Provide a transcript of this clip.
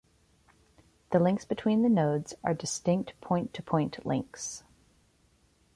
The links between the nodes are distinct point-to-point links.